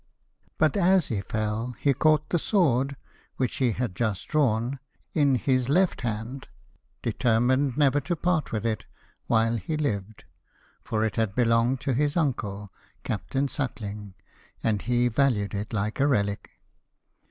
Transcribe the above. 117 but as he fell he caught the sword, which he had just drawn, in his left hand, determined never to part with it while he lived, for it had belonged to his uncle, Captain Suckling, and he valued it like a relic.